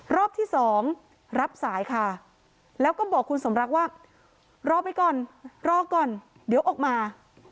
รอบที่สองรับสายค่ะแล้วก็บอกคุณสมรักว่ารอไปก่อนรอก่อนเดี๋ยวออกมา